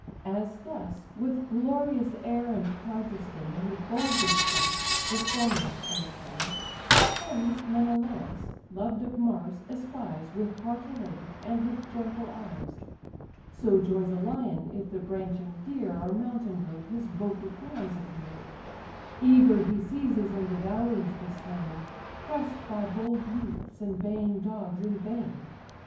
As thus, with glorious air and proud disdain, He boldly stalk'd, the foremost on the plain, Him Menelaus, loved of Mars, espies, With heart elated, and with joyful eyes: So joys a lion, if the branching deer, Or mountain goat, his bulky prize, appear; Eager he seizes and devours the slain, Press'd by bold youths and baying dogs in vain.